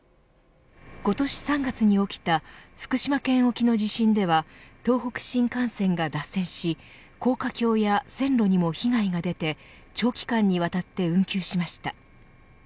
今年３月に起きた福島県沖の地震では東北新幹線が脱線し高架橋や線路にも被害が出て長期化にわたって運休しました。